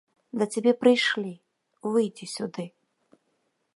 Да цябе прыйшлі, выйдзі сюды!